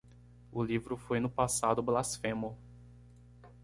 O livro foi no passado blasfemo.